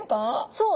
そう。